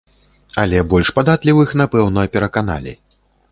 Але больш падатлівых, напэўна, пераканалі.